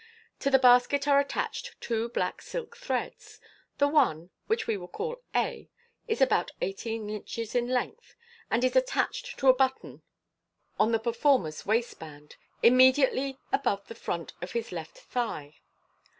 To the basket are attached two black silk threads. The one (which we will call a) is about eighteen inches in length, and is attached to a button on the per* MODERN MAGIC. 4*5 former's waistband, immediately above the front of the left thigh.